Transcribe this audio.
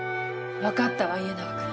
分かったわ家長君。